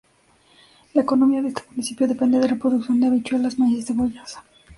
La economía de este municipio depende de la producción de habichuelas, maíz y cebollas.